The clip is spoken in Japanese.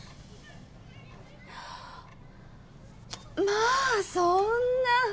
まあそんな。